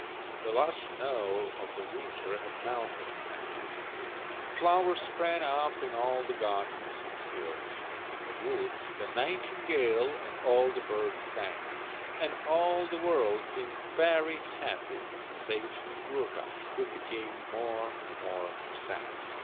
The last snow of the winter had melted and disappeared. Flowers sprang up in all the gardens and fields. In the woods the nightingale and all the birds sang, and all the world seemed very happy save Snyegurka, who became more and more sad.